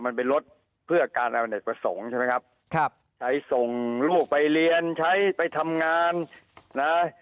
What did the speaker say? มันเป็นรถเพื่อการอเนกประสงค์ใช่ไหมครับครับใช้ส่งลูกไปเรียนใช้ไปทำงานนะ